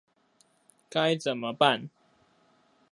該怎麼辦